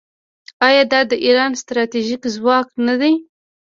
آیا دا د ایران ستراتیژیک ځواک نه دی؟